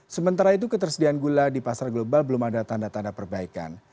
sementara itu ketersediaan gula di pasar global belum ada tanda tanda perbaikan